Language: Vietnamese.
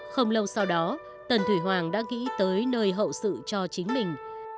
không lâu sau đó tần thủy hoàng đã nghĩ tới nơi hậu sự cho chính mình